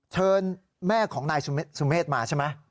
เชิญแม่ของนายสุเมฆมาใช่ไหม